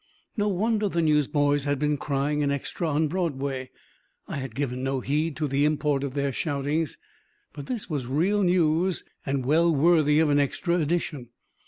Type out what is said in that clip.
No wonder the newsboys had been crying an extra on Broadway! I had given no heed to the import of their shoutings, but this was real news and well worthy of an extra edition.